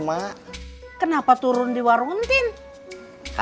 mam siapa kasih langsung